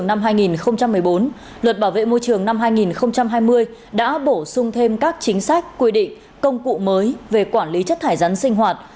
luật hai nghìn một mươi bốn luật bảo vệ môi trường năm hai nghìn hai mươi đã bổ sung thêm các chính sách quy định công cụ mới về quản lý chất thải rắn sinh hoạt